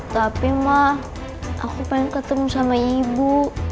tapi mah aku pengen ketemu sama ibu